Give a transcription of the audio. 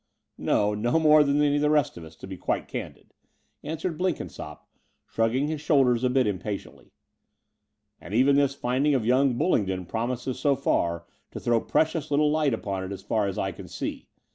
"No, no more than any of the rest of us, to be quite candid," answered Blenkinsopp, shrugging his shoulders a bit impatiently; "and even this finding of young Bullingdon promises so far to throw precious little light upon it as far as I can see.